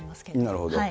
なるほど。